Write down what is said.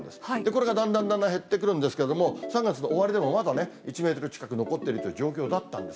これがだんだんだんだん減ってくるんですけれども、３月の終わりでもまだね、１メートル近く残っている状況だったんです。